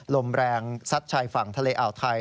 ลมแรงซัดชายฝั่งทะเลอ่าวไทย